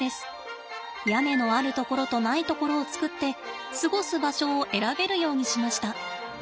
屋根のある所とない所を作って過ごす場所を選べるようにしました。